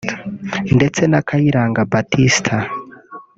ndetse na Kayiranga Baptista